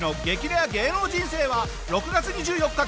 レア芸能人生は６月２４日